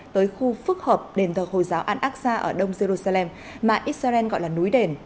tới khu phức hợp đền thờ hồi giáo al aqsa ở đông jerusalem mà israel gọi là núi đền